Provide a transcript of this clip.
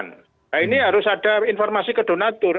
nah ini harus ada informasi ke donatur